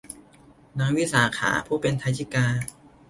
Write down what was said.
นางวิสาขา ผู้เป็นทายิกา